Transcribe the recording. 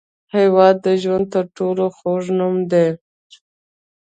هېواد د ژوند تر ټولو خوږ نوم دی.